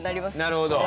なるほど。